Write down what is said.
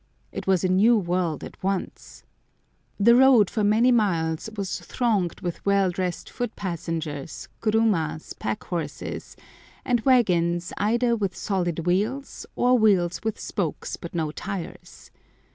It was a new world at once. The road for many miles was thronged with well dressed foot passengers, kurumas, pack horses, and waggons either with solid wheels, or wheels with spokes but no tires.